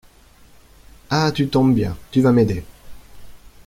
Ah, tu tombes bien! Tu vas m’aider.